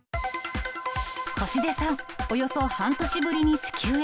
星出さん、およそ半年ぶりに地球へ。